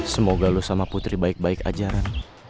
semoga lo sama putri baik baik aja ran